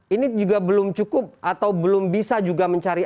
ini juga belum cukup atau belum bisa juga mencari